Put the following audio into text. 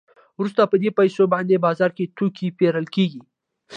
وروسته په دې پیسو باندې بازار کې توکي پېرل کېږي